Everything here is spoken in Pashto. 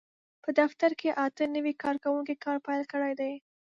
په دفتر کې اته نوي کارکوونکي کار پېل کړی دی.